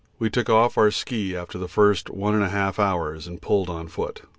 We took off our ski after the first 1 1/2 hours and pulled on foot.